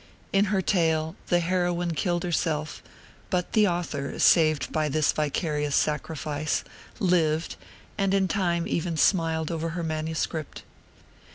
In her tale, the heroine killed herself; but the author, saved by this vicarious sacrifice, lived, and in time even smiled over her manuscript.